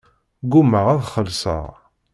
Ggumaɣ ad xellṣeɣ.